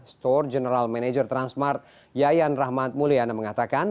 store general manager transmart yayan rahmat mulyana mengatakan